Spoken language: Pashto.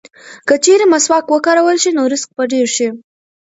که چېرې مسواک وکارول شي نو رزق به ډېر شي.